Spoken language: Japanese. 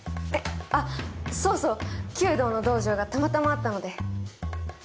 あっそうそう弓道の道場がたまたまあったので。